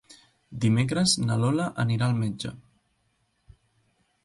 Dimecres na Lola anirà al metge.